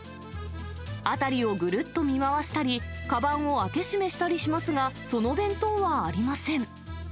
辺りをぐるっと見渡したり、かばんを開け閉めしたりしますが、その弁当はありません。